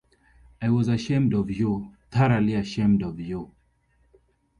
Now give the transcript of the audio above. I was ashamed of you — thoroughly ashamed of you.